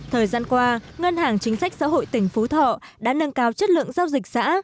thời gian qua ngân hàng chính sách xã hội tỉnh phú thọ đã nâng cao chất lượng giao dịch xã